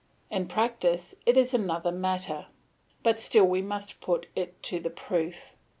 In practice, it is another matter; but still we must put it to the proof.